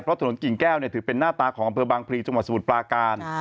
เพราะถนนกิ่งแก้วถือเป็นหน้าตาของอำเภอบางพลีจังหวัดสมุทรปลาการ